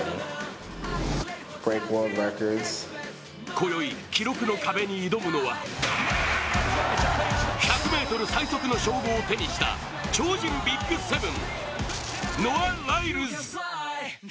こよい記録の壁に挑むのは、１００ｍ最速の称号を手にした超人ＢＩＧ７、ノア・ライルズ。